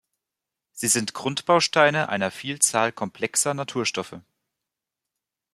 Sie sind Grundbausteine einer Vielzahl komplexer Naturstoffe.